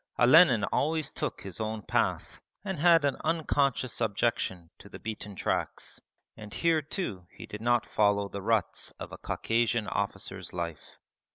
Olenin always took his own path and had an unconscious objection to the beaten tracks. And here, too, he did not follow the ruts of a Caucasian officer's life.